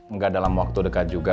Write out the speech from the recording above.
enggak dalam waktu dekat juga